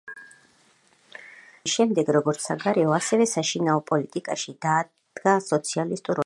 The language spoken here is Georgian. ხელისუფლებაში დაბრუნების შემდეგ როგორც საგარეო, ასევე საშინაო პოლიტიკაში დაადგა სოციალისტურ ორიენტაციას.